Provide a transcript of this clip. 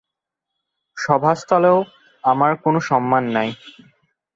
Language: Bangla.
সভাস্থলেও আমার কোনো সম্মান নাই।